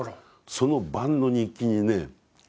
その晩の日記にね